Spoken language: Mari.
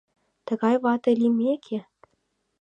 Тыгай вате лиймеке